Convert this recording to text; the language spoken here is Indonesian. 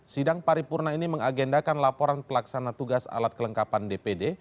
sidang paripurna ini mengagendakan laporan pelaksana tugas alat kelengkapan dpd